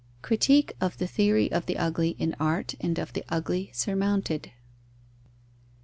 _Critique of the theory of the ugly in art and of the ugly surmounted.